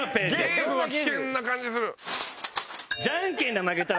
ゲームは危険な感じする。